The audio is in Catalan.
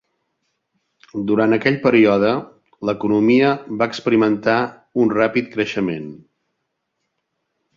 Durant aquell període, l'economia va experimentar un ràpid creixement.